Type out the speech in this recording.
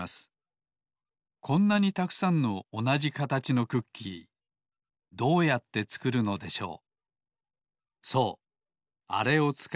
こんなにたくさんのおなじかたちのクッキーどうやってつくるのでしょう。